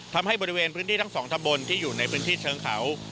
ทำให้บริเวณพื้นที่ทั้งสองตำบลที่อยู่ในพื้นที่เชิงเขา